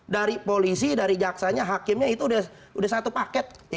dari polisi dari jaksanya hakimnya itu sudah satu paket